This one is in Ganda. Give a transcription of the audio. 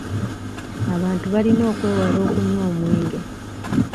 Abantu balina okwewala okunywa omwenge.